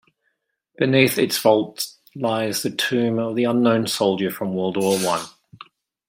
Beneath its vault lies the Tomb of the Unknown Soldier from World War One.